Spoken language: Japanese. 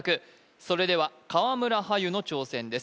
それでは川村はゆの挑戦です